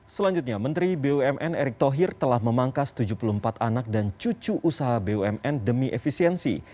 selanjutnya menteri bumn erick thohir telah memangkas tujuh puluh empat anak dan cucu usaha bumn demi efisiensi